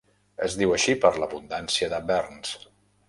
Es diu així per l'abundància de verns.